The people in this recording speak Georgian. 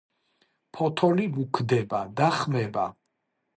ფოთოლი მუქდება და ხმება.